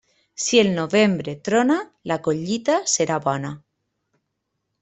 Si el novembre trona, la collita serà bona.